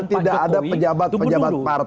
tidak ada pejabat pejabat